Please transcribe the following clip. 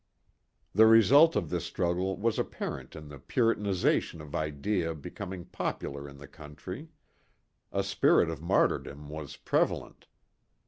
The result of this struggle was apparent in the puritanizatron of idea becoming popular in the country. A spirit of martyrdom was prevalent.